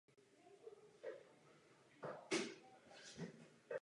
Z této cesty si přinesl poznatky na řadu konstrukčních i výrobních zlepšení.